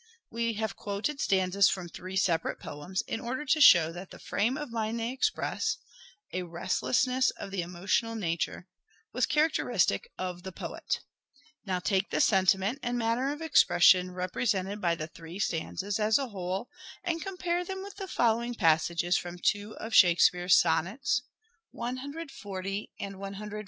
We have quoted stanzas from three separate poems •• shake in order to show that the frame of mind they express — spea£fjs " a restlessness of the emotional nature — was charac distraction, teristic of the poet. Now take the sentiment and manner of expression represented by the three stanzas as a whole and compare them with the following passages from two of Shakespeare's sonnets (140 and 147) I 1.